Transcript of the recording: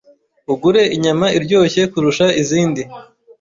ugure inyama iryoshye kurusha izindi,